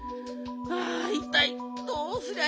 あいったいどうすりゃいいんだよ。